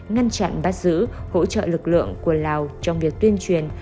ngăn chặn bắt giữ hỗ trợ lực lượng của lào trong việc tuyên truyền